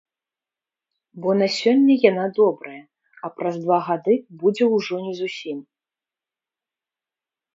Бо на сёння яна добрая, а праз два гады будзе ужо не зусім.